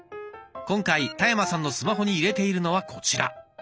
今回田山さんのスマホに入れているのはこちら。